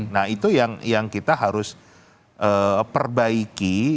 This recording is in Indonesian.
nah itu yang kita harus perbaiki